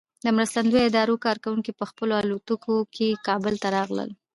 د مرستندویه ادارو کارکوونکي په خپلو الوتکو کې کابل ته راغلل.